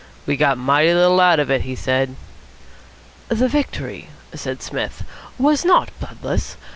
"We've got mighty little out of it," he said. "The victory," said Psmith, "was not bloodless.